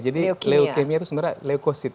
jadi leukemia itu sebenarnya leukosid